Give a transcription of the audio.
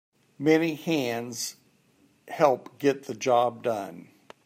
Many hands help get the job done.